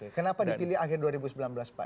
kenapa dipilih akhir dua ribu sembilan belas pak